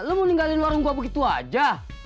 lu mau tinggal di luar rumah gua begitu aja